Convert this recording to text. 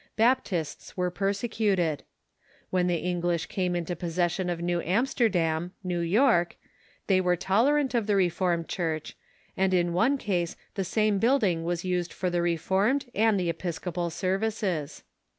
Baptists were persecuted. When the English came into possession of New Amsterdam (New York), they were tolerant of the Reformed Cliurch, and in one case the same building was used for the Reformed and the Episco pal services.